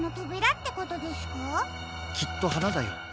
きっとはなだよ。